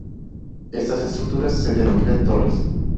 Estas estructuras se denominan "torres".